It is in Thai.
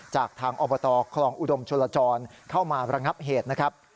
จากทางอบตคลองอุดมชลจรเข้ามาระงับเหตุนะครับ